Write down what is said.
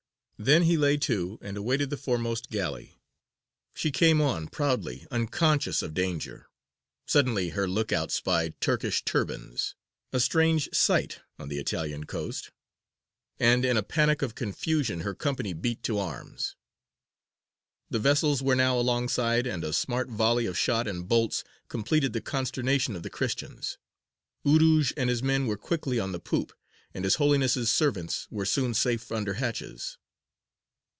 Then he lay to and awaited the foremost galley She came on, proudly, unconscious of danger. Suddenly her look out spied Turkish turbans a strange sight on the Italian coast and in a panic of confusion her company beat to arms. The vessels were now alongside, and a smart volley of shot and bolts completed the consternation of the Christians. Urūj and his men were quickly on the poop, and his Holiness's servants were soon safe under hatches.